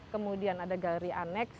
kemudian ada galeri aneks